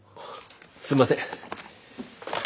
すんません。